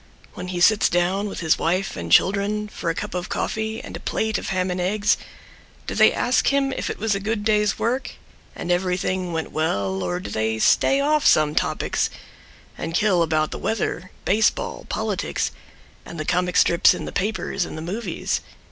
When he sits down with his wife and Children for a cup of coffee and a Plate of ham and eggs, do they ask Him if it was a good day's work And everything went well or do they Stay off some topics and kill about The weather, baseball, politics And the comic strips in the papers And the movies?